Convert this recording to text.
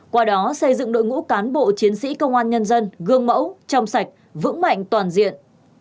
qua đó xây dựng đội ngũ cán bộ chiến sĩ công an nhân dân gương mẫu trong sạch vững mạnh toàn diện